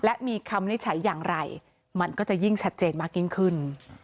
และมีคำวินิจฉัยอย่างไรมันก็จะยิ่งชัดเจนมากยิ่งขึ้น